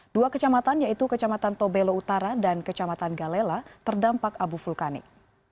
dua kecamatan yaitu kecamatan tobelo utara dan kecamatan galela terdampak abu vulkanik